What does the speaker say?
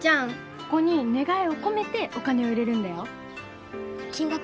ここに願いを込めてお金を入れるんだよ。